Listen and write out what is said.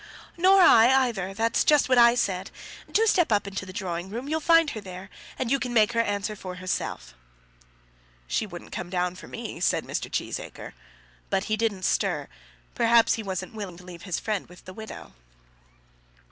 "Nor I either. That's just what I said. Do step up into the drawing room; you'll find her there, and you can make her answer for herself." "She wouldn't come down for me," said Mr. Cheesacre. But he didn't stir. Perhaps he wasn't willing to leave his friend with the widow.